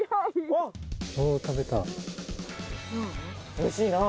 おいしいなぁ。